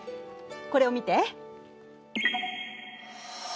これを見て。